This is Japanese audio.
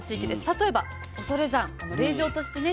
例えば恐山霊場としてね